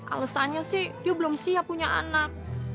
alasannya sih dia belum siap punya anak